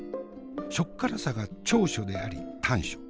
しょっからさが長所であり短所。